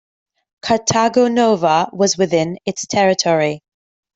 Cartago Nova was within its territory.